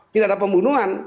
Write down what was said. tidak ada pembunuhan